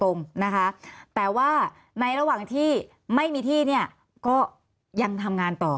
นะคะแต่ว่าในระหว่างที่ไม่มีที่เนี่ยก็ยังทำงานต่อ